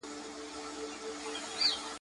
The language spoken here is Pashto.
ذهن چي صفا وي خیالات به صفا وي `